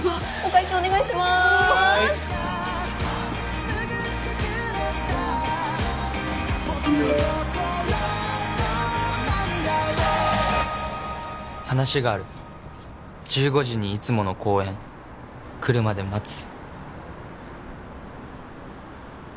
はい「話がある１５時にいつもの公園」「来るまで待つ」